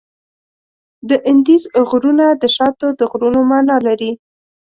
د اندیز غرونه د شاتو د غرونو معنا لري.